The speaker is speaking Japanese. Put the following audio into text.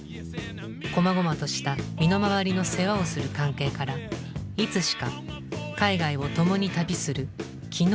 こまごまとした身の回りの世話をする関係からいつしか海外を共に旅する気の